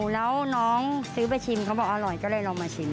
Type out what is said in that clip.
แล้วน้องซื้อไปชิมเขาบอกอร่อยก็เลยลองมาชิม